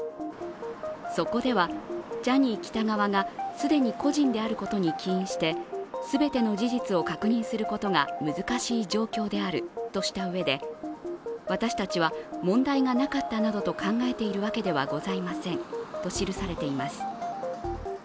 そこでは、ジャニー喜多川が既に故人であることに起因して全ての事実を確認することが難しい状況であるとしたうえで私たちは問題がなかったなどと考えているわけではございませんと記されています。